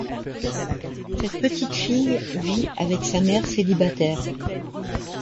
Cette petite fille vit avec sa mère célibataire.